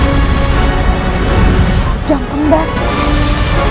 aku akan membunuh si lewani